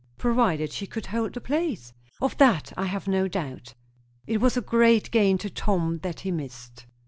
"Provided she could hold the place." "Of that I have no doubt." "It was a great gain to Tom that he missed."